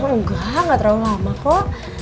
enggak nggak terlalu lama kok